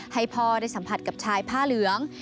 ให้พ่อได้สัมผัสกับชายผ้าเหลือง